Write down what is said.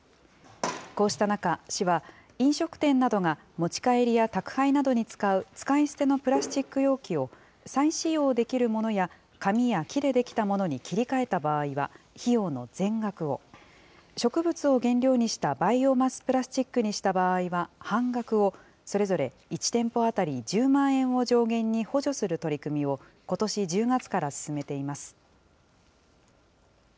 こうした中、市は、飲食店などが持ち帰りや宅配などに使う使い捨てのプラスチック容器を、再使用できるものや紙や木で出来たものに切り替えた場合は費用の全額を、植物を原料にしたバイオマスプラスチックにした場合は半額を、それぞれ１店舗当たり１０万円を上限に補助する取り組みをことし１０月から進めています。